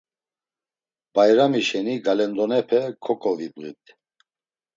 Bayrami şeni galendonepe kok̆ovibğit.